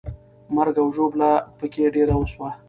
مرګ او ژوبله پکې ډېره وسوه.